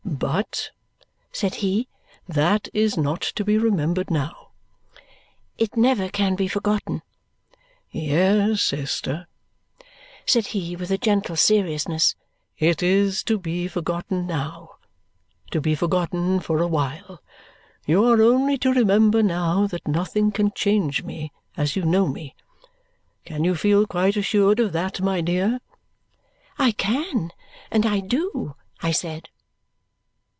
"But," said he, "that is not to be remembered now." "It never can be forgotten." "Yes, Esther," said he with a gentle seriousness, "it is to be forgotten now, to be forgotten for a while. You are only to remember now that nothing can change me as you know me. Can you feel quite assured of that, my dear?" "I can, and I do," I said.